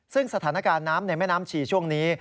ซึ่งสถานการณ์น้ำในแม่น้ำชีช่วงนี้